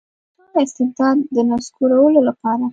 د روسانو د استبداد د نسکورولو لپاره.